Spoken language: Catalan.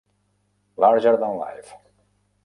"Larger than Live".